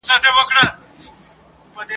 نه به چاته له پنجابه وي د جنګ امر راغلی ..